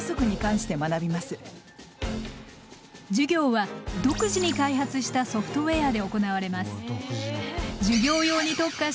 授業は独自に開発したソフトウェアで行われます。